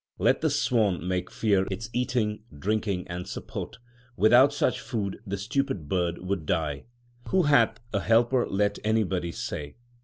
Let the swan make fear its eating, drinking, and support ; Without such food the stupid bird would die. Who hath a helper let anybody say.